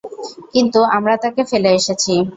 কিন্তু আমরা তাকে ফেলে এসেছি।